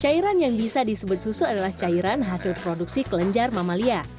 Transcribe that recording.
cairan yang bisa disebut susu adalah cairan hasil produksi kelenjar mamalia